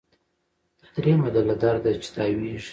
دا دریمه ده له درده چي تاویږي